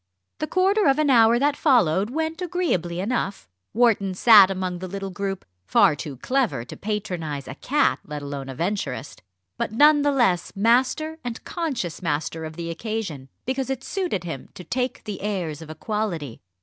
The quarter of an hour that followed went agreeably enough. Wharton sat among the little group, far too clever to patronise a cat, let alone a Venturist, but none the less master and conscious master of the occasion, because it suited him to take the airs of equality.